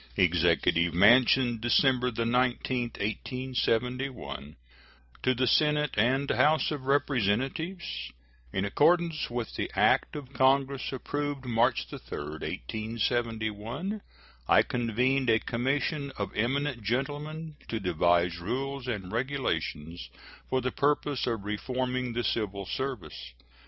] EXECUTIVE MANSION, December 19, 1871. To the Senate and House of Representatives: In accordance with the act of Congress approved March 3, 1871, I convened a commission of eminent gentlemen to devise rules and regulations for the purpose of reforming the civil service.